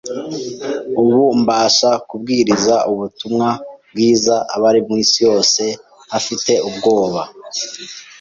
Ubu mbasha kubwiriza ubutumwa bwiza abari mu isi yose ntafite ubwoba